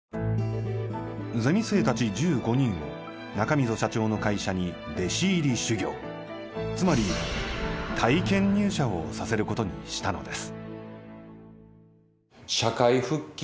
ゼミ生たち１５人を中溝社長の会社に弟子入り修業つまり体験入社をさせることにしたのです。